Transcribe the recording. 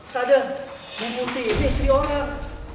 sadar ini istri orang